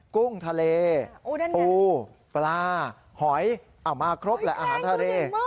กุ้งทะเลปูปลาหอยเอามาครบแหละอาหารทะเล